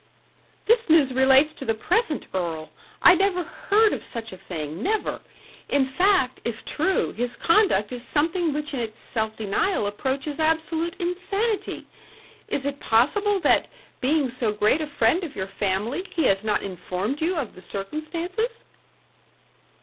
"This news relates to the present earl. I never heard of such a thing never. In fact, if true, his conduct is something which in its self denial approaches absolute insanity. Is it possible that, being so great a friend of your family, he has not informed you of the circumstances?"